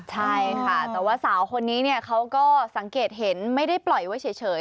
ใช่ค่ะแต่ว่าสาวคนนี้เนี่ยเขาก็สังเกตเห็นไม่ได้ปล่อยไว้เฉย